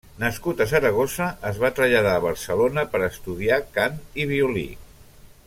Nascut a Saragossa, es va traslladar a Barcelona per estudiar cant i violí.